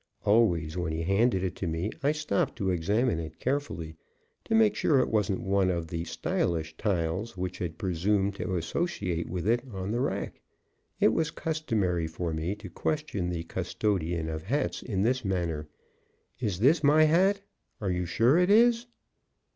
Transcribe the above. Always when he handed it to me I stopped to examine it carefully, to make sure it wasn't one of the stylish tiles which had presumed to associate with it on the rack. It was customary for me to question the custodian of hats in this manner: "Is this my hat?" "Are you sure it is?"